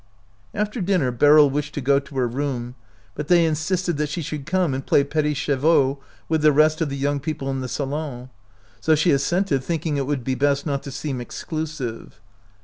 After dinner Beryl wished to go to her room, but they insisted that she should come and play petits chevaux with the rest of the young people in the salon ; so she assented, thinking it would be best not to seem ex clusive.